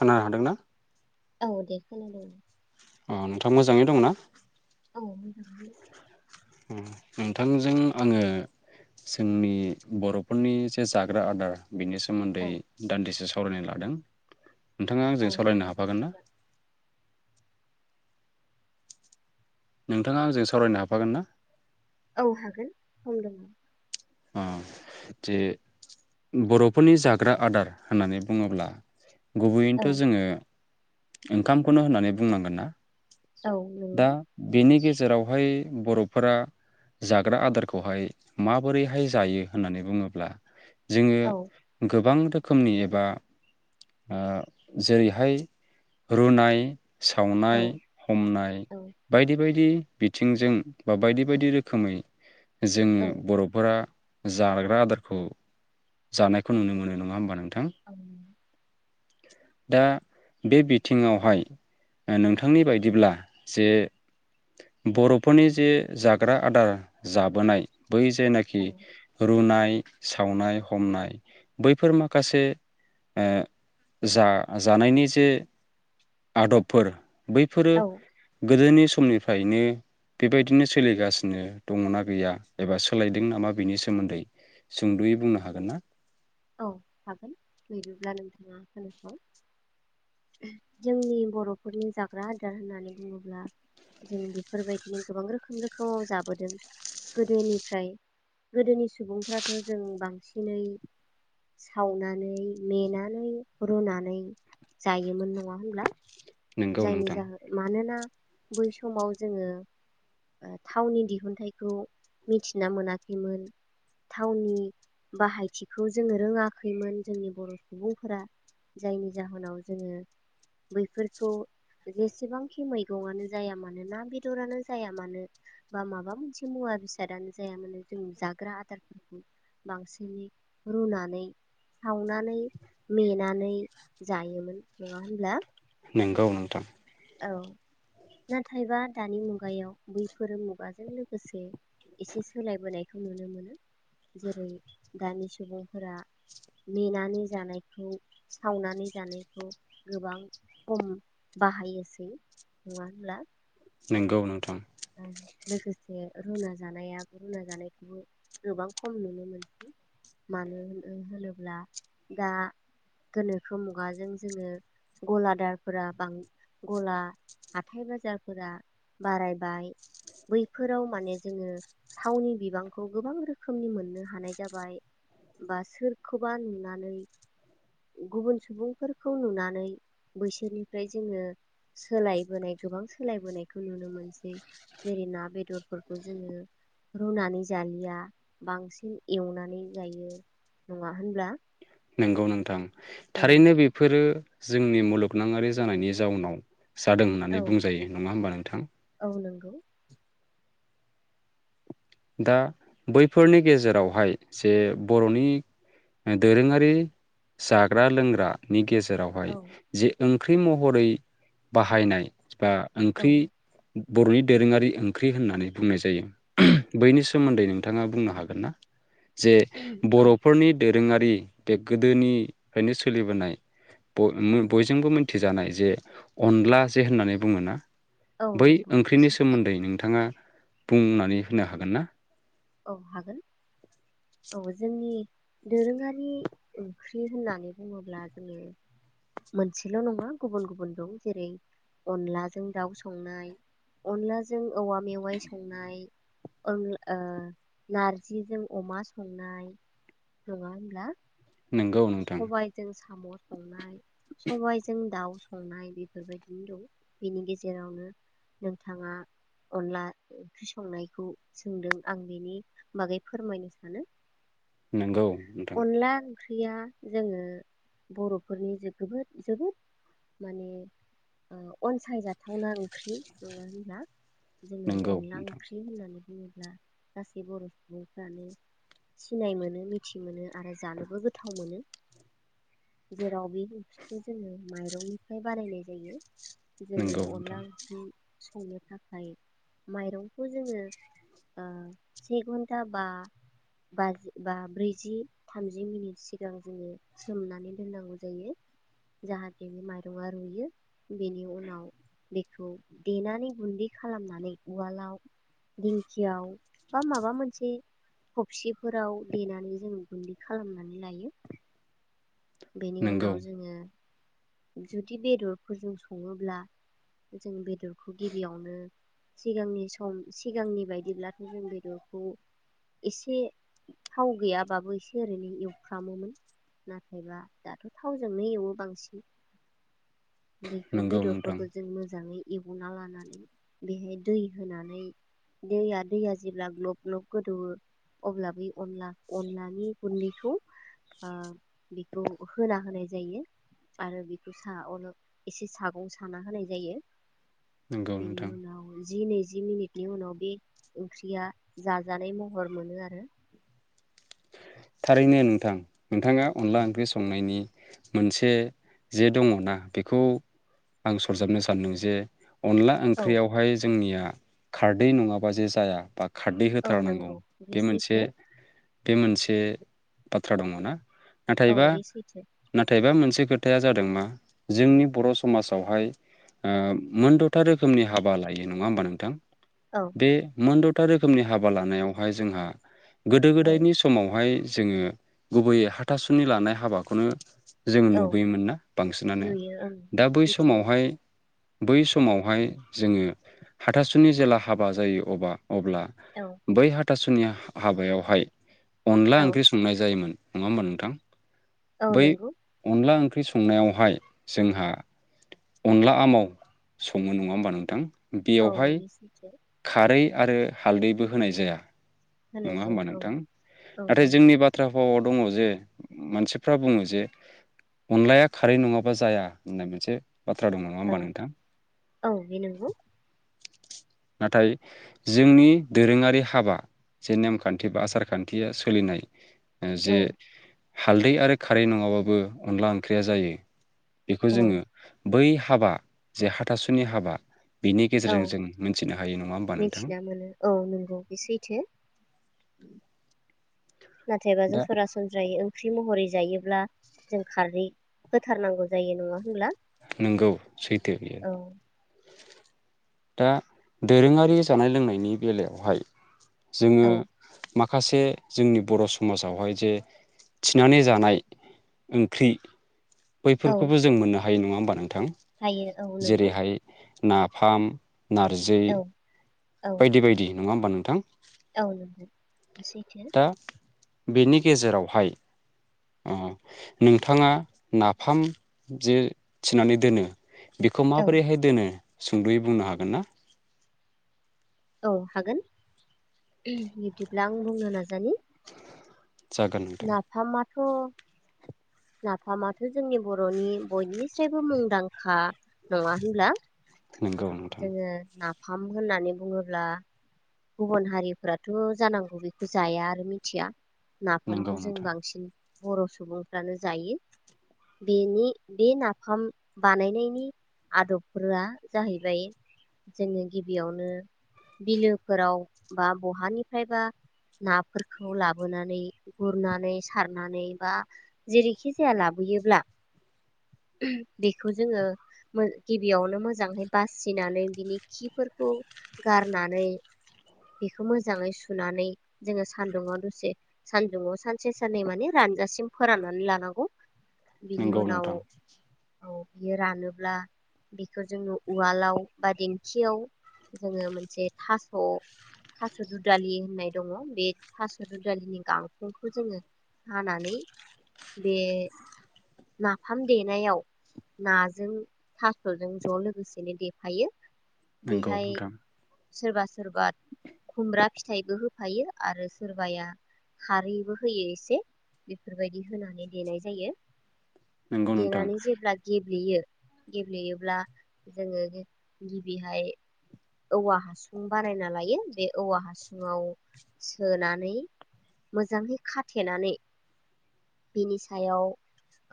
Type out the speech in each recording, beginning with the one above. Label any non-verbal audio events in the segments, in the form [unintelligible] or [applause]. खोना हादोंना? औ दे खोनादों। अ नोंथाङा मोजाङै दंना? औ नोंथांजों आङो जोंनि बर'फोरनि जे जाग्रा आदार बिनि औ सोमोन्दै दान्दिसे सम सावरायनाय लादों। नोंथाङा औ आंजों सावालरायनो जागोन हाफागोन ना? नोंथाङा आंजों सावरायनो हाबफागोन ना? औ हागोन सम दङ'। ओ जे बर'फोरनि जाग्रा आदार होननानै बुङोब्ला औ गुबैयैनोथ' जोङो ओंखामखौनो होननानै बुंनांगोन ना औ दा नंगौ बेनि गेजे जेरावहाय बर'फोरा जाग्रा आदारखौहाय मा माबोरैहाय जायो होननानै बुङोब्ला जोङो औ गोबां रोखोमनि एबा ओ जेरैहाय रुनाय सावनाय औ हमनाय औ बायदि बायदि। बिथिंजों बा बायदि बायदि रोखोमै। जोङो बरफ जाग्रा आदारखौ। जानायखौ दे नुनो मोनो नङा होमबा नोंथां। औ दा बे बिथिङावहाय नोंथांनि बायदिब्ला जे बर'फोरनि जे जाग्रा आदार जाबोनाय। बै जायनाखि रुनाय सावनाय। हमनाय बैफोर माखासे ओ जा जानायनि जे आदबफोर। बैफोरो। औ गोदोनि समनिफ्रायनो बेबायदिनो सोलिगासिनो दङ'ना गैया एबा सोलायदों नामा बिनि सोमोन्दै सुंदु'यै बुंनो हागोन हागोनना? औ हागोन बिदिब्ला नोंथाङा खोनासं जोंनि बर'फोरनि जाग्रा आदार होननानै बुङोब्ला जों बेफोरबायदिनो गोबां रोखोम रोखोमाव जाबोदों गोदोनिफ्राय गोदोनि सुबुंफ्राथ' जों बांसिनै सावनानै मेनानै रुनानै जायोमोन नङा होनब्ला। नोंगौ जायनि नोंथां जाहोन मानोना बै समाव जोङो थावनि दिहुनथाइखौ मिथिना मोनाखैमोन थावनि बाहायथिखौ जो जोङो रोङाखैमोन जोंनि बर' सुबुंफोरा जायनि जाहोनाव जोङो बैफोरखौ जेसेबांखि मैगंआनो जाया मानो ना बेदरानो जाया मानो बा माबा मोनसे मुवा बेसादानो जाया मानो जों जाग्रा आदारफोरखौ बांसिनै रुनानै सावनानै मेनानै जायोमोन नङा होनब्ला? नंगौ नोंथां। औ नाथायबा दानि मुगायाव बैफोर मुगाजों लोगोसे एसे सोलायबोनाय खौ नुनो मोनो जेरै दानि सुबुंफोरा नेेनानै जानायखौ सावनानै जानायखौ गोबां खम बाहायो। नङा होनब्ला? नंगौ नोंथां। लोगोसे रुना जानायाो रुना जानायखौबो गोबां खम नुनो मोनसै मानो होनो होनोब्ला दा गोनोखो मुगाजों जोङो गलादारफोरा बां गला हाथाइ बाजारफोरा बाराय बैफोराव माने जोङो थावनि बिबांखौ गोबां रोखोमनि मोननो हानाय जाबाय बा सोरखौबा नुनानै गुबुन सुबुंफोरखौ नुनानै बैसोरनिफ्राय जोङो सोलायबोनाय गोबां सोलायबोनायखौ नुनो मोनसै। जेरै ना बेदरफोरखौ जोङो रुनानै जालिया बांसिन एवनानै जायो नङा होनब्ला? नंगौ नोंथां औ थारैनो बेफोरो जोंनि मुलुगनाङारि जानायनि जाउनाव। जादों औ होननानै बुंजायो नङा होमबा नोंथां? नंगौ औ [inaudible] दा बैफोरनि गेजेरावहाय जे बर'नि दोरोङारि जाग्रा लोंग्राानि गेजेराव गेजेरावहाय औ जेओं ख्रि महरै बाहायनाय। बा औ ओंख्रि बर'नि दोरोङारि ओंख्रि होननानै बुंनाय औ जायो। सोमोन्दै नोंथाङा बुंनो हागोन ना? जे औ बर'फोरनि दो। दोरोङारि बे गोदोनिफ्रायनो सोलिबोनाय बर म बयजोंबो मिथिजानाय जे अनला जे होननानै बुङोना। औ बै नंगौ बे ओंख्रिनि सैथो सोमोन्दै नोंथाङा। बुंनानै। होनो हागोन ना? औ हागोन औ जोंनि दोरोङारि ओंख्रि होननानै बुङोब्ला जोङो मोनसेल' नङा गुबुन गुबुन दं जेरै अनलाजों दाउ संनाय अनलाजों औवा मेवाइ संनाय अन ओ। नारजिजों अमा संनाय नङा होमब्ला? नोंगौ नोंथां सबायजों सा। साम' संनाय। सबबायजों दाउ। संनाय बेफोरबायदिनो दं बेनि गेजेरावनो नोंथाङा अनला ओंख्रि संनायखौ सोंदों आं बेनि बागै फोरमायनो सानो। नंगौ नोंथां। अनला ओंख्रिया जोङो बर'फोरनि जबोद जोबोद माने ओ अनसायजाथावना ओंख्रि नङा होनब्ला? जोङो नोंगौ अनला नोंथां ओंख्रि होननानै। होनुङोब्ला गासै बर' सुबुंफ्रानो सिनाय मोनो मिथि मोनो आरो जानोबो गोथ। गोथाव मोनो जेराव बे ओंख्रिखौ जोङो माइरंनिफ्राय बानायनाय जायो। जोङो नोंगौ नोंथां अनला ओंख्रि। संनो थाखाय माइरंखौ जोङो ओ से घन्टा बा बाजि बा ब्रैजि थामजि मिनिट। सिगां जोङो सोमनानै दोननांगौ जायो जाहाथे बे माइरङा रुयो बेनि उनाव बेखौ देनानै गुन्दै खालामनानै उवालाव दिंखियाव बा माबा मोनसे हबसि। फोराव देनानै जों। गुन्दै खालामनानै। लायो। बेनि नोंगौ उनाव जोङो। जुदि बेदरफोरजों सङोब्ला जों बेदरखौ गिबियावनो सिगांनि सम सिगांनि बायदिब्लाथ' जों बेदरखौ एसे थाव गैयाबाबो एसे ओरैनो एवफ्रामोमोन नाथायबा दाथ' थावजोंनो एवो बांसिन। बेखौ नोंगौ नोंथां बेदरफोरखौ जों मोजाङै। एवना लानानै बेहाय दै होनानै दैया दैया जेब्ला ग्लब ग्लब गोदौवो अब्लाबो। अनला अनलानि गुन्दैखौ। ओ बेखौ होना होनाय जायो। आरो बेखौ साह अल एसे सागं साना होनाय जायो। नोंगौ बेनि नोंथां उनाव। जि नैजि मिनिटनि उनाव बे ओंख्रिया जाजानाय महर मोनो आरो। थारैनो नोंथां नोंथाङा अनला ओंख्रि संनायनि मोनसे जे दङना बेखौ आं सरजाबनो सानदों जे। अनला औ ओंख्रियावहाय जोंनिया। खारदै नङाबा जे जाया बा। खारदै औ होथारनांगौ नंगौ बे मोनसे। सैथो मोनसे बाथ्रा दङना औ नाथायबा बे सैथो नाथायबा मोनसे खोथा खोथाया जादों मा जोंनि बर' समाजावहाय ओ मोनद'था रोखोमनि हाबा लायो नङा होमबा नोंथां औ बे मद'- [unintelligible] रोखोमनि हाबा लानायावहाय जोंहा गोदो औ गोदाय समावहाय जोङो गुबैयै हाथासुनि लानाय हाबाखौनो जोङो औ नुबोयोमोन ना बांसिनानो नुयो ओं दा बे बै सैथो समावहाय बै समावहाय जोङो हाथासुनि जेला हाबा जायो अबा अब्ला औ बै हा- हाथासुनि हा-हाबायावहाय अनला औ ओंख्रि संनाय जायोमोन नङा होमबा नोंथां औ बै नंगौ अनला ओंख ओंख्रि संनायावहाय जोंहा अनला आमाव सङो नङा होमबा नोंथां औ बेयावहाय बि सैथो खारै आरो हालदैबो होनाय जाया होनाय नङा होमबा जाया औ नोंथां औ नाथाय नंगौ जोंनि बाथ्रा फावाव दङ जे मानसिफ्रा बुङो जे अनलाया खारै नङाबा जाया होननाय मोनसे बाथ्रा दं नङा औ होमबा नोंथां औ बे नंगौ नाथाय जोंनि दोरोङारि हाबा जे नेमखान्थि बा आसार खान्थिया सोलिनाय औ जे हालदै आरो खारै नङाबाबो अनला ओंख्रिया जायो बेखौ औ जोङो बै हाबा जे हाथासुनि हाबा बिनि औ गेजेरजों जों मोन मिथिना मोनो औ नंगौ बे सैथो नाथाय एब जों दा सरासनज्रायै ओं ओंख्रि महरै जायोब्ला जों खारै होथारनांगौ जायो नङा होनब्ला? नोंगौ सैथो बियो औ दा दोरोङारि जानाय लोंनायनि बेलायावहाय जोङो औ माखासे जोंनि बर' समाजावहाय जे थिनानै जानाय ओंख्रि औ बैफोरखौबो जों मोननो हा हायो नङा होनबा नों थां हायो औ नंगौ जेरैहाय नाफाम नारजि औ औ बायदि बायदि नङा होमबा नोंथां? औ सैथो दा बेनि गेजेरावहाय अ नोंथाङा नाफाम जे थिनानै दोनो बेखौ औ माबोरैहाय दोनो सुंदयै बुंनो हागोन ना? औ हागोन जागोन नोंथां थ नाफामाथ जोंनि बरनि बयनिस्रायबो मुंदांखा नङा होनब्ला? नंगौ नोंथां जोङो नाफ नाफाम होननानै बुङोब्ला गुबुन हारिफ्राथ जानांगौ बेखौ जाया आरो मिथिया नंगौ ओंखामखौ जों नोंथां बांसिन बर सुबुंफ्रानो जायो बेनि बे नाफाम बानायनायनि आदबफोरा जाहैबाय जोङो गिबियावनो बिलोफोराव बा बहानिफ्रायबा नाफोरखौ लाबोनानै गुरनानै सारनानै बा जेरैखि जाया लाबोयोब्ला उह बेखौ जोङो गिबियावनो मोजांहै बास सिनानै बिनि खिफोर औ गारनानै बेखौ मोजाङै सुनानै जोङो सान्दुङाव दसे सानदुङाव सानसे साननै माने रानजासिम फोराननानै लानांगौ बिनि नंगौ उनाव नोंथां औ बियो रानोब्ला बेखौ जोङो उवालाव बा देंखियाव जोङो मोनसे थास थास दुदालि होननाय दङ बे थास दुदालिनि गांखंखौ जोङो हानानै बे नाफाम देनायाव नाजों थासजों ज लोगोसेनो देफायो नंगौ बेहाय नोंथां सोरबा सोरबा खुमब्रा फिथाइबो होफायो आरो सोरबाया खारैबो होयो एसे बेफोरबायदि होनानै देनाय जायो नंगौ नोंथां देेननानै जेब्ला गेब्लेयो गेब्लेयोब्ला जोङो गिबिहाय औवा हासुं बानायना लायो बे औवा हासुंआव सोनानै मोजाङै खाथेनानै बिनि सायाव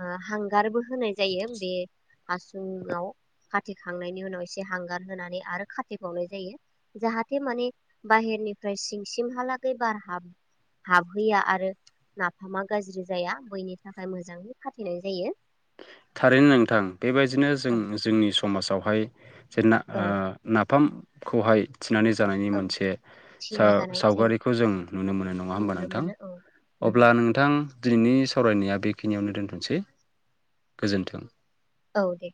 ओ हांगारबो होनाय जायो बे हासुंआव खाथेखांनायनि उनाव एसे हांगार होनानै आरो खाथेबावनाय जायो जाहाथे माने बाहेरनिफ्राय सिंसिमहालागै बार हाब-हाबहैया आरो नाफामा गाज्रि जाया बैनि थाखाय मोजां खाथेनाय जायो थारैनो नोंथां बेबायदिनो जों औ जोंनि समाजावहाय जे ना औ ओ नाफाम खौहाय थिनानै जानायनि औ मोनसे थिना जानाय जायो सा-सावगारिखौ जों नुनो मोनो नङा होमबा नुनो नोंथां मोनो औ अब्ला नंगौ नोंथां दिनैनि सावरायनाया बेखिनियावनो दोनथ'नोसै गोजोन्थों औ दे